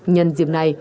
nhân dịp này